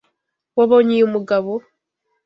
Wabonye uyu mugabo?